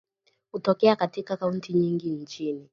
Hutokea katika kaunti nyingi nchini